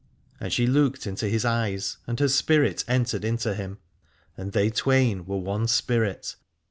And she looked into his eyes and her spirit entered into him, 323 Aladore and they twain were one spirit.